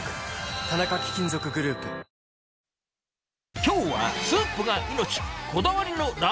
きょうは、スープが命！